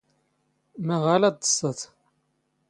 ⵎⴰⵖⴰ ⵍⴰ ⵜⴹⵚⵚⴰⴷ?